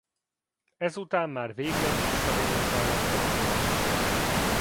Ezután már végleg visszavonult a labdarúgástól.